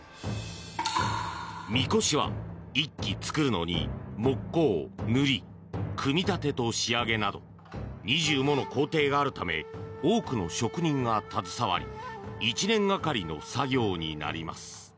みこしは１基作るのに木工、塗り組み立てと仕上げなど２０もの工程があるため多くの職人が携わり１年がかりの作業になります。